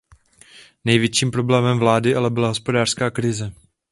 Největším problémem vlády ale byla hospodářská krize.